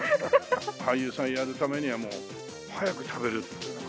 俳優さんやるためには、早く食べるっていうのが。